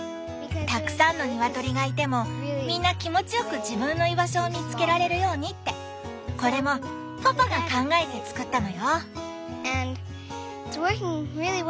たくさんのニワトリがいてもみんな気持ちよく自分の居場所を見つけられるようにってこれもパパが考えて作ったのよ！